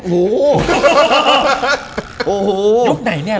โหลูกไหนเนี่ย